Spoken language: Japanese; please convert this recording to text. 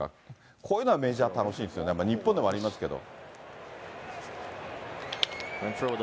こういうのはメジャー楽しいですよね、日本でもありますけど。